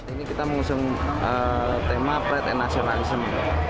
ini kita mengusung tema fred and nationalism